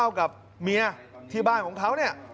กับเมียที่บ้านของเขาเนี่ย